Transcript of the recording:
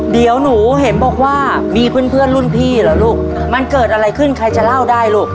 เดี๋ยวหนูเห็นบอกว่ามีเพื่อนเพื่อนรุ่นพี่เหรอลูกมันเกิดอะไรขึ้นใครจะเล่าได้ลูก